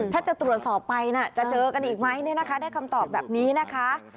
ถ้าจะตรวจสอบไปจะเจอกันอีกไหมได้คำตอบแบบนี้นะคะ